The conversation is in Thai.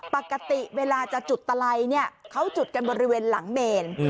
ปกติเวลาจะจุดตะไลเนี่ยเขาจุดกันบริเวณหลังเมน